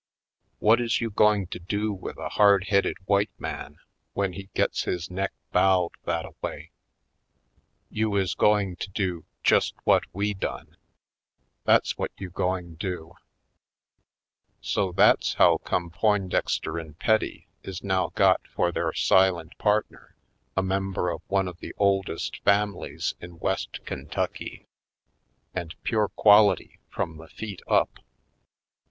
What is you going to do with a hard headed white man when he gets his neck bowed that a way? You is going to do just Headed Home 263 what we done, that's what you going do I So that's how come Poindexter & Petty is now got for their silent partner a member of one of the oldest families in West Ken tucky and pure quality from the feet up.